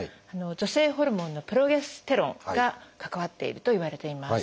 女性ホルモンのプロゲステロンが関わっているといわれています。